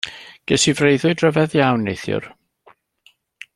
Ges i freuddwyd ryfedd iawn neithiwr.